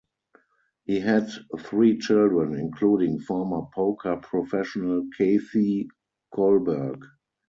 He had three children, including former poker professional Kathy Kolberg.